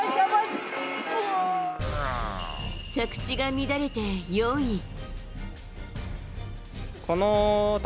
着地が乱れて４位。